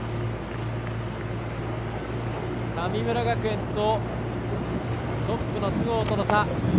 神村学園とトップの須郷との差。